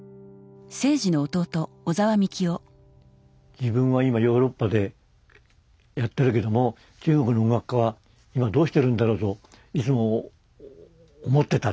自分は今ヨーロッパでやってるけども中国の音楽家は今どうしてるんだろうといつも思ってたと。